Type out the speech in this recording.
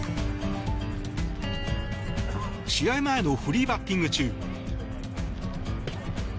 試合前のフリーバッティング中。